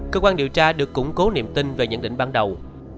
cơ quan điều tra được củng cố niềm tin về nhận định ban đầu